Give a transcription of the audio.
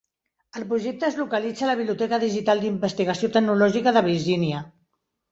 El projecte es localitza a la Biblioteca Digital d'Investigació tecnològica de Virgínia.